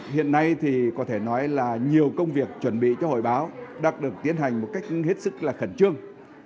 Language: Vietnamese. hiện nay thì có thể nói là nhiều công việc chuẩn bị cho hội báo đang được tiến hành một cách hết sức là khẩn trương